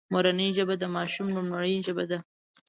مورنۍ ژبه د ماشوم لومړۍ ژبه ده